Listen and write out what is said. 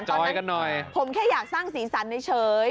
ประจอยกันหน่อยจะให้ดูบรรยากาศผมแค่อยากสร้างสีสรรค์เฉย